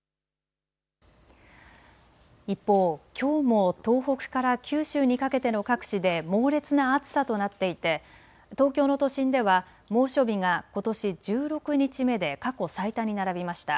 一方、きょうも東北から九州にかけての各地で猛烈な暑さとなっていて東京の都心では猛暑日がことし１６日目で過去最多に並びました。